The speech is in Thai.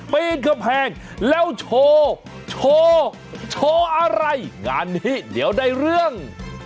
ปีนกำแพงแล้วโชว์โชว์โชว์อะไรงานนี้เดี๋ยวได้เรื่อง